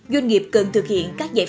doanh nghiệp cần thực hiện các giải quyết